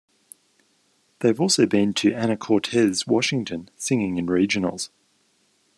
They also have been to Anacortes Washington, singing in Regionals.